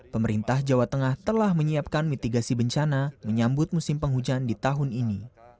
pemerintah jawa tengah telah menyiapkan mitigasi bencana menyambut musim penghujan di tahun ini